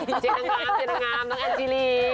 เชียร์ดางงามน้องแอนโจรี่